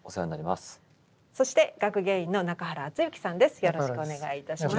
そして学芸員の中原淳行さんです。